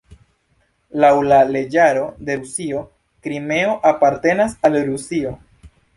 Laŭ la leĝaro de Rusio Krimeo apartenas al Rusio.